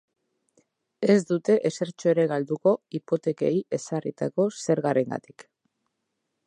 Ez dute ezertxo ere galduko hipotekei ezarritako zergarengatik.